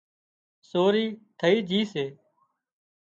سوري ٿئي جھئي سي